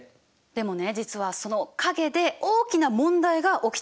でもね実はその陰で大きな問題が起きていたの。